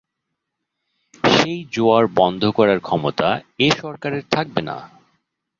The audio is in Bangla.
সেই জোয়ার বন্ধ করার ক্ষমতা এ সরকারের থাকবে না।